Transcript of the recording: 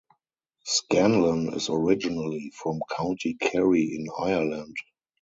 Scanlon is originally from County Kerry in Ireland.